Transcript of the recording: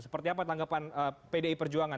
seperti apa tanggapan pdi perjuangan